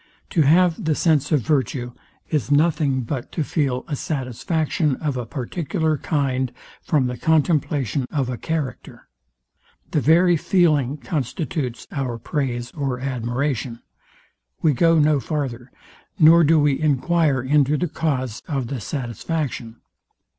To have the sense of virtue, is nothing but to feel a satisfaction of a particular kind from the contemplation of a character. The very feeling constitutes our praise or admiration. We go no farther; nor do we enquire into the cause of the satisfaction.